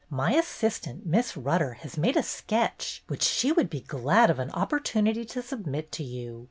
My assistant. Miss Rutter, has made a sketch which she would be glad of an opportunity to submit to you.